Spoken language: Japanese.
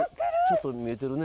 ちょっと見えてるね。